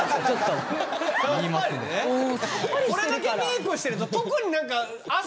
これだけメイクしてると特に。